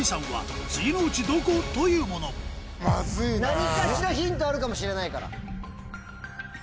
何かしらヒントあるかもしれない。